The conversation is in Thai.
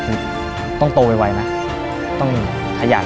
เราจะไม่ยอมให้หลานเราอด